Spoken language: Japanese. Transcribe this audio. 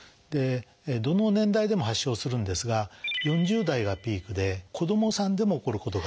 どの年代でも発症するんですが４０代がピークで子どもさんでも起こることが。